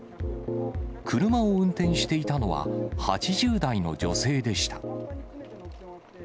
車を運転していたのは、８０代の女性でした。